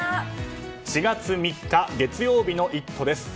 ４月３日月曜日の「イット！」です。